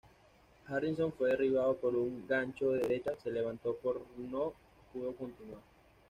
Harrison fue derribado por un gancho de derecha, se levantó pero no pudo continuar.